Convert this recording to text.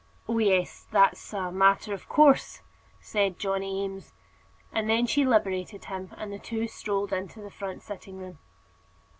"Oh, yes; that's a matter of course," said Johnny Eames. And then she liberated him; and the two strolled into the front sitting room.